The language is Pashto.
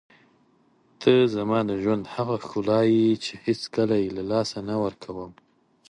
ته زما د ژوند هغه ښکلا یې چې هېڅکله یې له لاسه نه ورکوم.